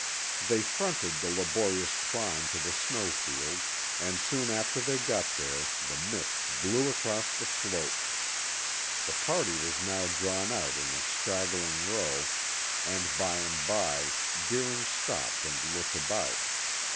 They fronted the laborious climb to the snow field, and soon after they got there mist blew across the slope. The party was now drawn out in a straggling row and by and by Deering stopped and looked about.